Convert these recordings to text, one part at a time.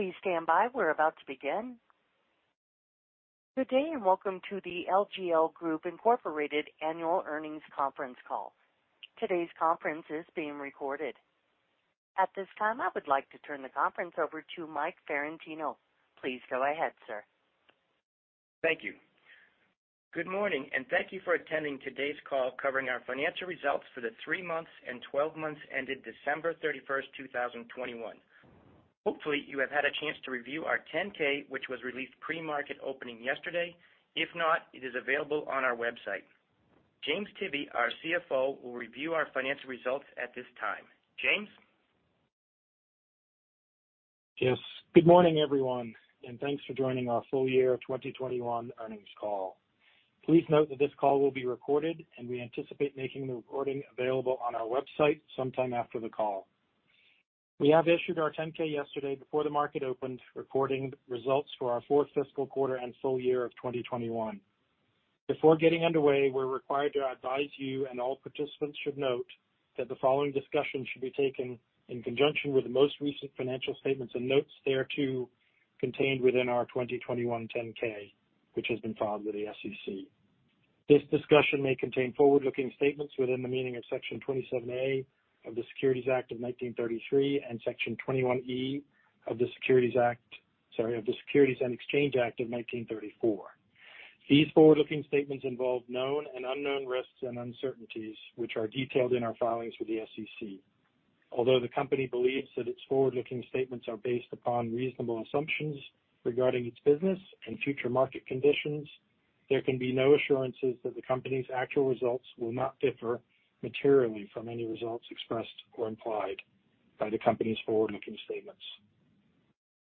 Good day, and welcome to The LGL Group, Inc. annual earnings conference call. Today's conference is being recorded. At this time, I would like to turn the conference over to Mike Ferrantino. Please go ahead, sir. Thank you. Good morning, and thank you for attending today's call covering our financial results for the three months and twelve months ended December 31, 2021. Hopefully, you have had a chance to review our 10-K, which was released pre-market opening yesterday. If not, it is available on our website. James Tivy, our CFO, will review our financial results at this time. James. Yes, good morning, everyone, and thanks for joining our full year 2021 earnings call. Please note that this call will be recorded and we anticipate making the recording available on our website sometime after the call. We have issued our 10-K yesterday before the market opened, reporting results for our fourth fiscal quarter and full year of 2021. Before getting underway, we're required to advise you, and all participants should note, that the following discussion should be taken in conjunction with the most recent financial statements and notes thereto contained within our 2021 10-K, which has been filed with the SEC. This discussion may contain forward-looking statements within the meaning of Section 27A of the Securities Act of 1933 and Section 21E of the Securities and Exchange Act of 1934. These forward-looking statements involve known and unknown risks and uncertainties, which are detailed in our filings with the SEC. Although the company believes that its forward-looking statements are based upon reasonable assumptions regarding its business and future market conditions, there can be no assurances that the company's actual results will not differ materially from any results expressed or implied by the company's forward-looking statements.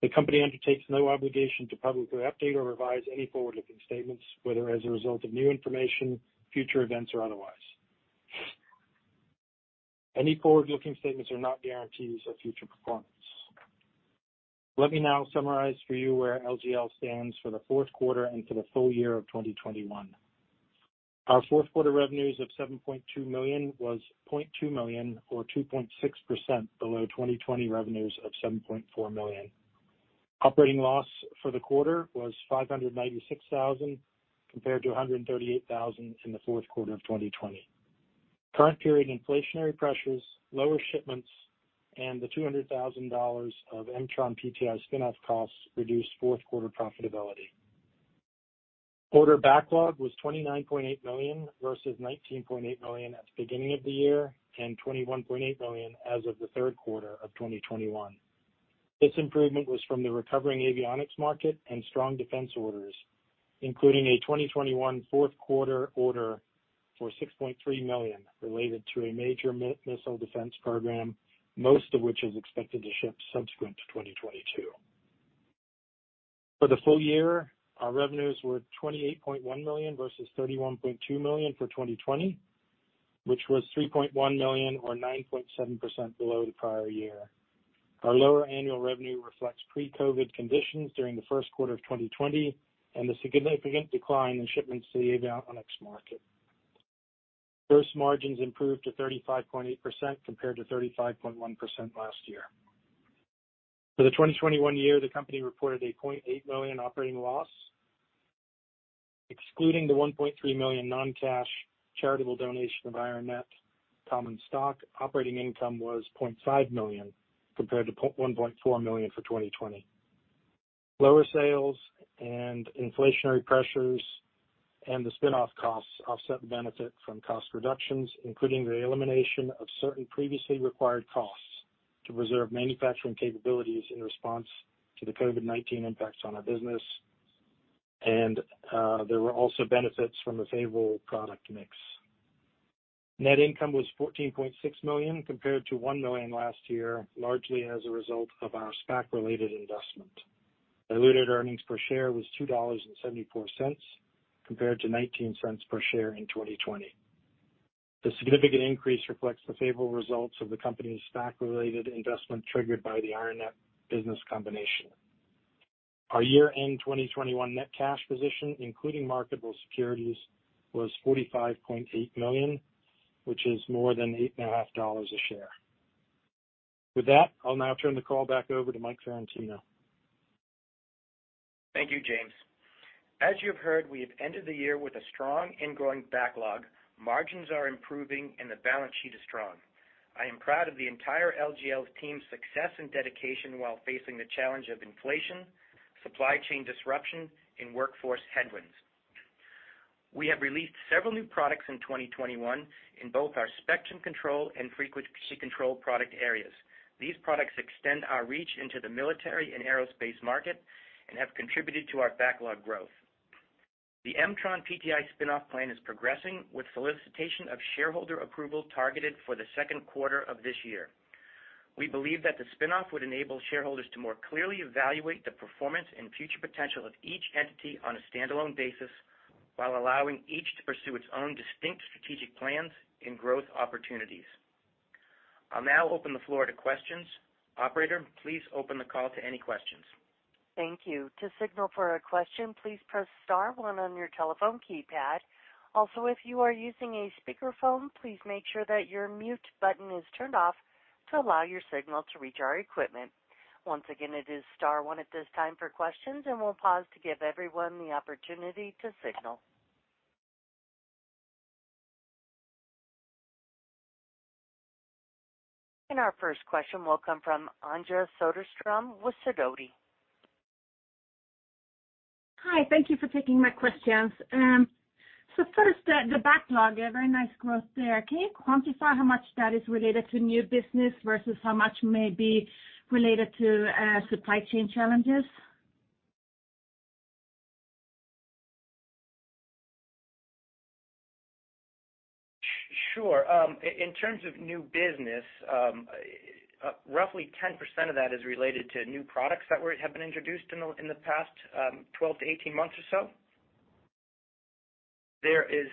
The company undertakes no obligation to publicly update or revise any forward-looking statements, whether as a result of new information, future events, or otherwise. Any forward-looking statements are not guarantees of future performance. Let me now summarize for you where LGL stands for the fourth quarter and for the full year of 2021. Our fourth quarter revenues of $7.2 million was $0.2 million or 2.6% below 2020 revenues of $7.4 million. Operating loss for the quarter was $596,000 compared to $138,000 in the fourth quarter of 2020. Current period inflationary pressures, lower shipments, and the $200,000 of MtronPTI spin-off costs reduced fourth quarter profitability. Order backlog was $29.8 million versus $19.8 million at the beginning of the year, and $21.8 million as of the third quarter of 2021. This improvement was from the recovering avionics market and strong defense orders, including a 2021 fourth quarter order for $6.3 million related to a major missile defense program, most of which is expected to ship subsequent to 2022. For the full year, our revenues were $28.1 million versus $31.2 million for 2020, which was $3.1 million or 9.7% below the prior year. Our lower annual revenue reflects pre-COVID conditions during the first quarter of 2020 and the significant decline in shipments to the avionics market. Gross margins improved to 35.8% compared to 35.1% last year. For the 2021 year, the company reported a $0.8 million operating loss. Excluding the $1.3 million non-cash charitable donation of IronNet common stock, operating income was $0.5 million compared to a $1.4 million loss for 2020. Lower sales and inflationary pressures and the spin-off costs offset the benefit from cost reductions, including the elimination of certain previously required costs to preserve manufacturing capabilities in response to the COVID-19 impacts on our business. There were also benefits from the favorable product mix. Net income was $14.6 million compared to $1 million last year, largely as a result of our SPAC-related investment. Diluted earnings per share was $2.74 compared to $0.19 per share in 2020. The significant increase reflects the favorable results of the company's SPAC-related investment triggered by the IronNet business combination. Our year-end 2021 net cash position, including marketable securities, was $45.8 million, which is more than $8.50 a share. With that, I'll now turn the call back over to Mike Ferrantino. Thank you, James. As you have heard, we have ended the year with a strong and growing backlog. Margins are improving and the balance sheet is strong. I am proud of the entire LGL team's success and dedication while facing the challenge of inflation, supply chain disruption, and workforce headwinds. We have released several new products in 2021 in both our spectrum control and frequency control product areas. These products extend our reach into the military and aerospace market and have contributed to our backlog growth. The MtronPTI spin-off plan is progressing with solicitation of shareholder approval targeted for the second quarter of this year. We believe that the spin-off would enable shareholders to more clearly evaluate the performance and future potential of each entity on a standalone basis while allowing each to pursue its own distinct strategic plans and growth opportunities. I'll now open the floor to questions. Operator, please open the call to any questions. Thank you. To signal for a question, please press star one on your telephone keypad. Also, if you are using a speakerphone, please make sure that your mute button is turned off to allow your signal to reach our equipment. Once again, it is star one at this time for questions, and we'll pause to give everyone the opportunity to signal. Our first question will come from Anja Soderstrom with Sidoti. Hi. Thank you for taking my questions. First, the backlog, a very nice growth there. Can you quantify how much that is related to new business versus how much may be related to supply chain challenges? Sure. In terms of new business, roughly 10% of that is related to new products that have been introduced in the past 12-18 months or so. There is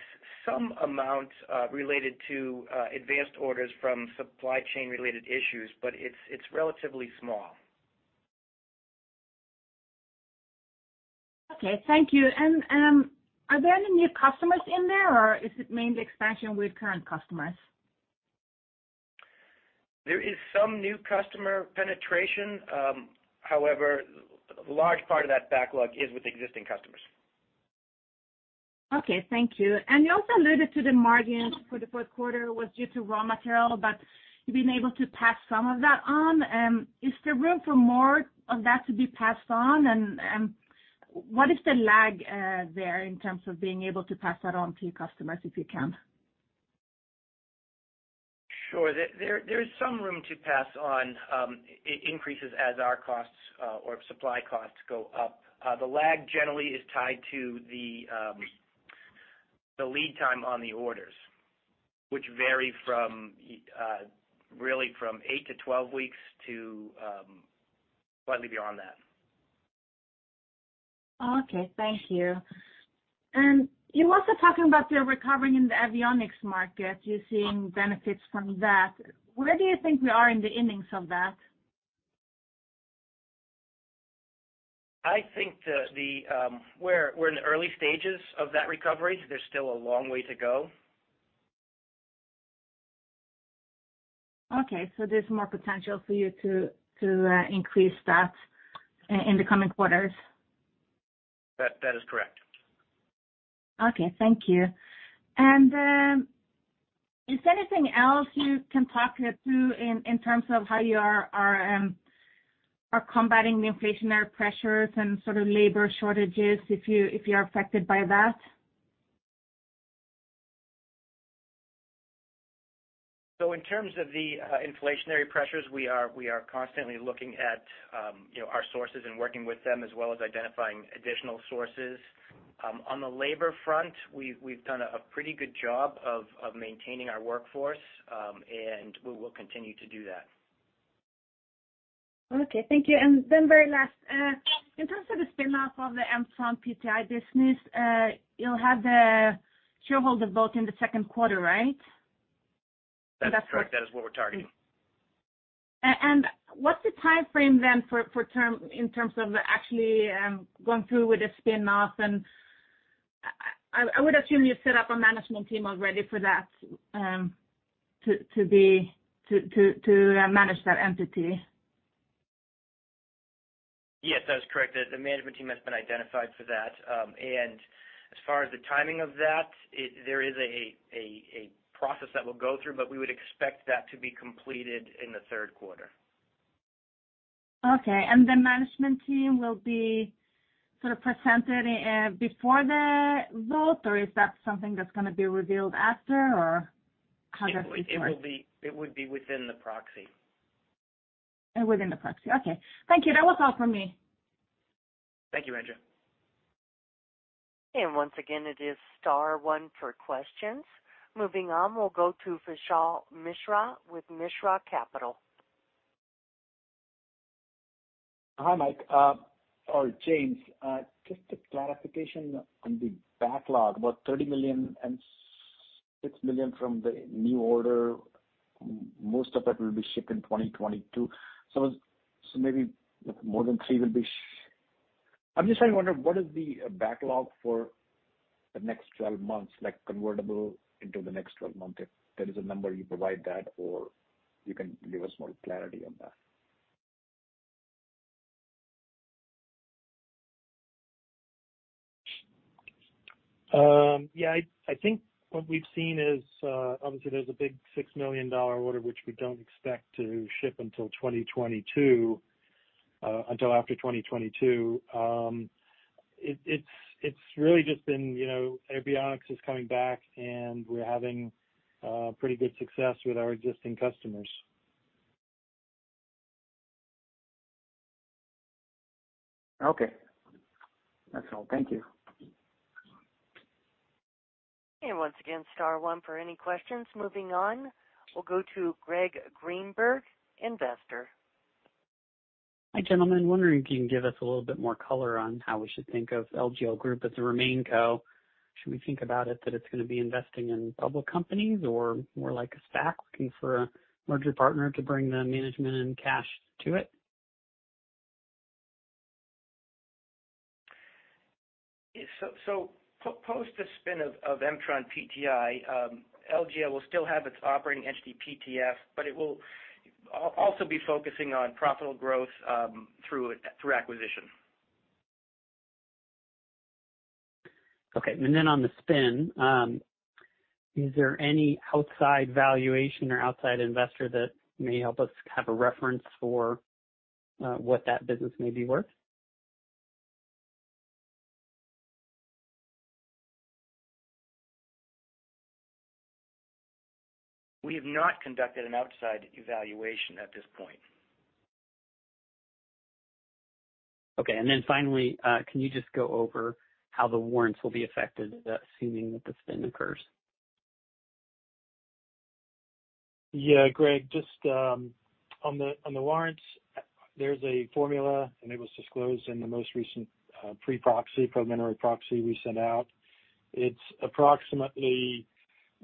some amount related to advanced orders from supply chain related issues, but it's relatively small. Okay. Thank you. Are there any new customers in there, or is it mainly expansion with current customers? There is some new customer penetration. However, a large part of that backlog is with existing customers. Okay. Thank you. You also alluded to the margins for the fourth quarter was due to raw material, but you've been able to pass some of that on. Is there room for more of that to be passed on? What is the lag there in terms of being able to pass that on to your customers, if you can? Sure. There is some room to pass on increases as our costs or supply costs go up. The lag generally is tied to the lead time on the orders, which vary from really from eight to 12 weeks to slightly beyond that. Okay. Thank you. You're also talking about the recovering in the avionics market. You're seeing benefits from that. Where do you think we are in the innings of that? I think we're in the early stages of that recovery. There's still a long way to go. There's more potential for you to increase that in the coming quarters? That is correct. Okay. Thank you. Is there anything else you can talk through in terms of how you are combating the inflationary pressures and sort of labor shortages if you're affected by that? In terms of the inflationary pressures, we are constantly looking at you know our sources and working with them as well as identifying additional sources. On the labor front, we've done a pretty good job of maintaining our workforce, and we will continue to do that. Okay. Thank you. Very last. In terms of the spin-off of the MtronPTI business, you'll have the shareholder vote in the second quarter, right? That is correct. That is what we're targeting. What's the timeframe then in terms of actually going through with the spin-off? I would assume you set up a management team already for that to manage that entity. Yes, that is correct. The management team has been identified for that. As far as the timing of that, there is a process that we'll go through, but we would expect that to be completed in the third quarter. Okay. The management team will be sort of presented before the vote, or is that something that's gonna be revealed after or how does it work? It would be within the proxy. Within the proxy. Okay. Thank you. That was all for me. Thank you, Anja. Once again, it is star one for questions. Moving on, we'll go to Vishal Mishra with Mishra Capital. Hi, Mike, or James. Just a clarification on the backlog, about $30 million and $6 million from the new order. Most of that will be shipped in 2022. Maybe more than $3 million will be shipped. I'm just wondering what is the backlog for the next 12 months, like convertible into the next 12 months. If there is a number you provide that or you can give us more clarity on that. Yeah, I think what we've seen is, obviously there's a big $6 million order, which we don't expect to ship until after 2022. It's really just been, you know, avionics is coming back, and we're having pretty good success with our existing customers. Okay. That's all. Thank you. Once again, star one for any questions. Moving on, we'll go to Greg Greenberg, investor. Hi, gentlemen. Wondering if you can give us a little bit more color on how we should think of LGL Group as a RemainCo. Should we think about it that it's gonna be investing in public companies or more like a SPAC looking for a merger partner to bring the management and cash to it? Post the spin of MtronPTI, LGL will still have its operating entity, PTF, but it will also be focusing on profitable growth through acquisition. Okay. On the spin, is there any outside valuation or outside investor that may help us have a reference for what that business may be worth? We have not conducted an outside evaluation at this point. Okay. Finally, can you just go over how the warrants will be affected, assuming that the spin occurs? Yeah, Greg, just on the warrants, there's a formula, and it was disclosed in the most recent preliminary proxy we sent out. It's approximately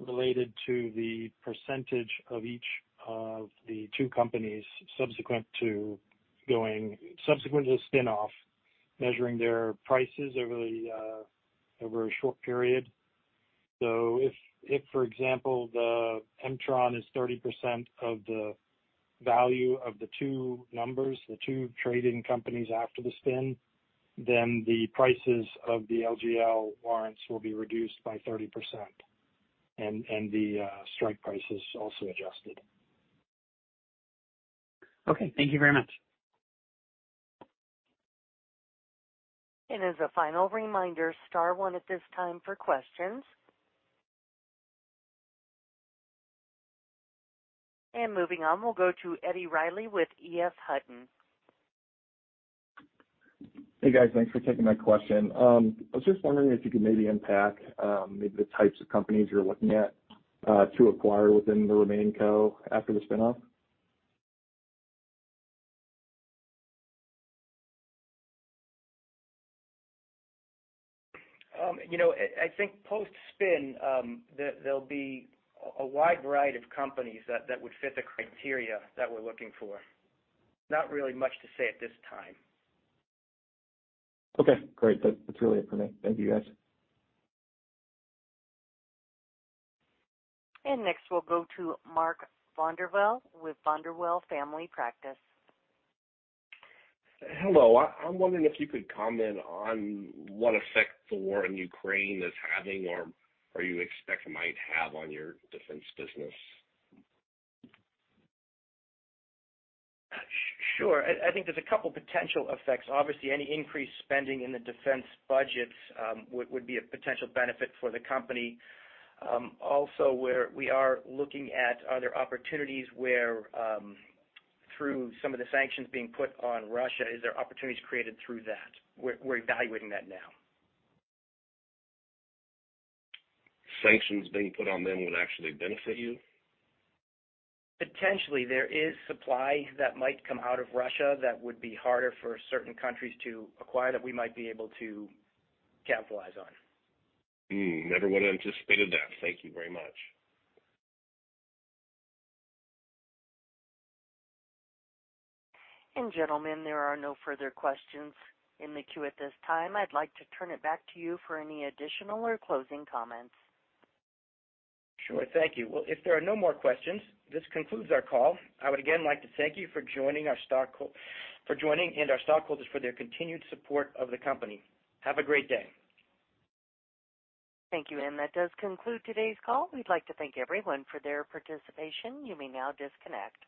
related to the percentage of each of the two companies subsequent to the spin-off, measuring their prices over a short period. So if, for example, the Mtron is 30% of the value of the two numbers, the two trading companies after the spin, then the prices of the LGL warrants will be reduced by 30% and the strike prices also adjusted. Okay. Thank you very much. As a final reminder, star one at this time for questions. Moving on, we'll go to Edward Reilly with EF Hutton. Hey, guys. Thanks for taking my question. I was just wondering if you could maybe unpack, maybe the types of companies you're looking at, to acquire within the RemainCo after the spin-off. You know, I think post-spin, there'll be a wide variety of companies that would fit the criteria that we're looking for. Not really much to say at this time. Okay, great. That's really it for me. Thank you, guys. Next, we'll go to Mark Vonderwell with Vonderwell Family Practice. Hello. I'm wondering if you could comment on what effect the war in Ukraine is having or you expect it might have on your defense business? Sure. I think there's a couple potential effects. Obviously, any increased spending in the defense budgets would be a potential benefit for the company. Also, we are looking at, are there opportunities where, through some of the sanctions being put on Russia, opportunities are created through that? We are evaluating that now. Sanctions being put on them would actually benefit you? Potentially. There is supply that might come out of Russia that would be harder for certain countries to acquire that we might be able to capitalize on. Never would've anticipated that. Thank you very much. Gentlemen, there are no further questions in the queue at this time. I'd like to turn it back to you for any additional or closing comments. Sure. Thank you. Well, if there are no more questions, this concludes our call. I would again like to thank you for joining and our stockholders for their continued support of the company. Have a great day. Thank you. That does conclude today's call. We'd like to thank everyone for their participation. You may now disconnect.